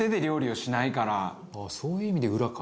ああそういう意味で「裏」か。